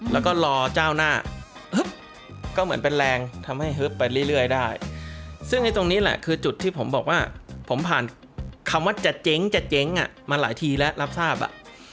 แล้วก็รอเจ้าหน้าก็เหมือนเป็นแรงทำให้ฮึบไปเรื่อยได้ซึ่งไอ้ตรงนี้แหละคือจุดที่ผมบอกว่าผมผ่านคำว่าจะเจ๊งจะเจ๊งอ่ะมาหลายทีแล้วรับทราบอ่ะ